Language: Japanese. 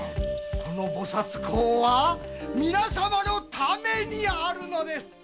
この菩薩講は皆さまのためにあるのです！